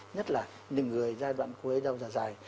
nhất là những người giai đoạn cuối đau già dài